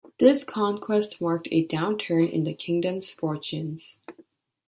This conquest marked a downturn in the kingdom's fortunes.